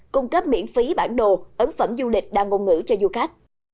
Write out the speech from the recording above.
cung cấp miễn phí bản đồ ấn phẩm du lịch đa ngôn ngữ cho du khách